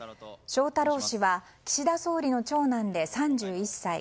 翔太郎氏は岸田総理の長男で３１歳。